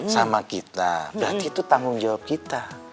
sama kita berarti itu tanggung jawab kita